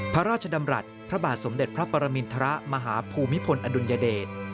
พระราชดำรัฐพระบาทสมเด็จพระปรมินทรมาฮภูมิพลอดุลยเดช